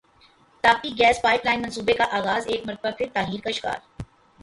Tapi gas pipeline منصوبے کا اغاز ایک مرتبہ پھر تاخیر کا شکار